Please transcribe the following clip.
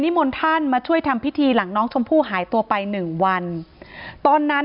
มนต์ท่านมาช่วยทำพิธีหลังน้องชมพู่หายตัวไปหนึ่งวันตอนนั้น